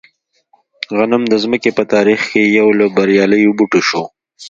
غنم د ځمکې په تاریخ کې یو له بریالیو بوټو شو.